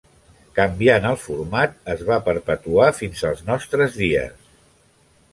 Canviant el format es va perpetuar fins als nostres dies.